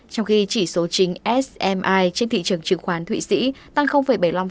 trong khi chỉ số chính smi trên thị trường chứng khoán thụy sĩ tăng bảy mươi năm